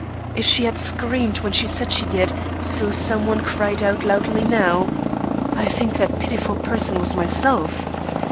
If she had screamed when she said she did, so some one cried out loudly now. I think that pitiful person was myself.